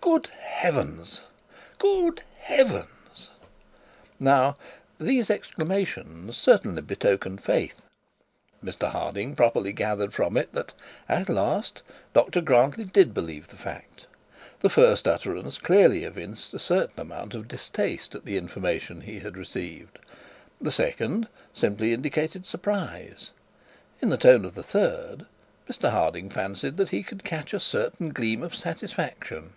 'Good heavens! Good heavens!' Now, these exclamations certainly betokened faith. Mr Harding properly gathered from it that, at last, Dr Grantly did believe the fact. The first utterances clearly evinced a certain amount of distaste at the information he had received; the second, simply indicated surprise; and the tone of the third, Mr Harding fancied that he could catch a certain gleam of satisfaction.